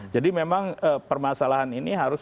jadi memang permasalahan ini harus